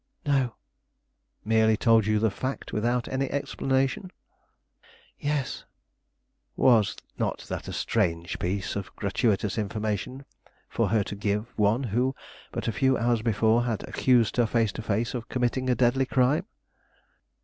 "No." "Merely told you the fact, without any explanation?" "Yes." "Was not that a strange piece of gratuitous information for her to give one who, but a few hours before, had accused her to the face of committing a deadly crime?"